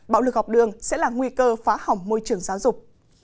bạo lực học đường sẽ là nguy cơ phá hỏng môi trường giáo dục